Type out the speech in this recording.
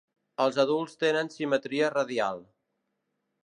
Els adults tenen simetria radial.